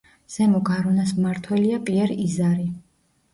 ზემო გარონას მმართველია პიერ იზარი.